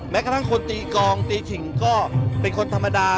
กระทั่งคนตีกองตีขิงก็เป็นคนธรรมดา